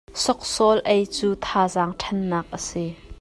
Sawksawl ei cu thazang ṭhan nak a si.